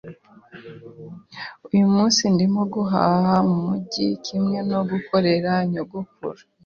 Uyu munsi ndimo guhaha mumujyi kimwe no gukorera nyogokuru.